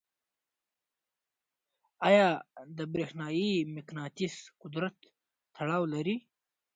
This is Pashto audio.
آیا د برېښنايي مقناطیس قدرت تړاو لري؟